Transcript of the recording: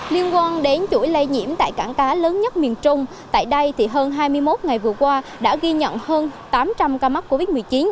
liên quan đến chuỗi lây nhiễm tại cảng cá lớn nhất miền trung tại đây thì hơn hai mươi một ngày vừa qua đã ghi nhận hơn tám trăm linh ca mắc covid một mươi chín